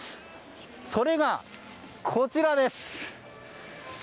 それが、こちらです。